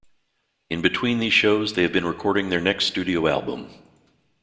In between these shows they have been recording their next studio album.